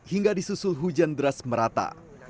hingga disusul hujan deras merata